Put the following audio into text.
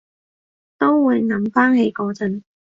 都會諗返起嗰陣